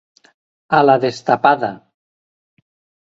A la destapada.